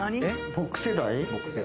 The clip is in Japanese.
僕世代。